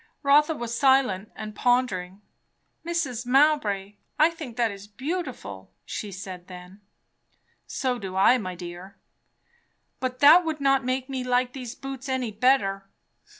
Rotha was silent and pondered. "Mrs. Mowbray, I think that is beautiful," she said then. "So do I, my dear." "But that would not make me like these boots any better."